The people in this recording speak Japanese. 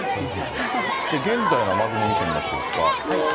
現在の雨雲見てみましょうか。